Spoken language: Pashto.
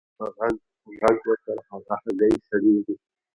اکبرجان په غږ غږ وکړ هغه هګۍ سړېږي.